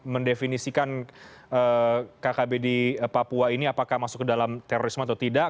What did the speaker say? mendefinisikan kkb di papua ini apakah masuk ke dalam terorisme atau tidak